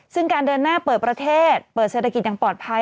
ซึ่งการเดินหน้าเปิดประเทศเปิดเศรษฐกิจอย่างปลอดภัย